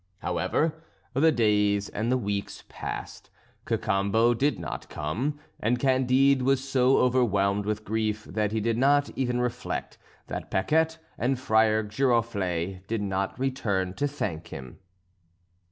However, the days and the weeks passed. Cacambo did not come, and Candide was so overwhelmed with grief that he did not even reflect that Paquette and Friar Giroflée did not return to thank him.